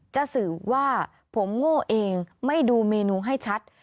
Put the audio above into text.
จะสื่อว่าผมโง่เองไม่ดูเมนูให้ชัด